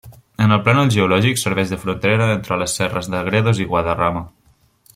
En el plànol geològic, serveix de frontera entre les serres de Gredos i de Guadarrama.